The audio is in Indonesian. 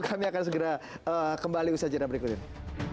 kami akan segera kembali usaha jadwal berikut ini